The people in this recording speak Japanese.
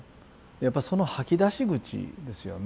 やっぱその吐き出し口ですよね。